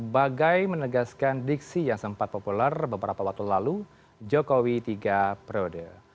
bagai menegaskan diksi yang sempat populer beberapa waktu lalu jokowi tiga periode